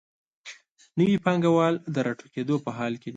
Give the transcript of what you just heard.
نوي پانګوال د راټوکېدو په حال کې دي.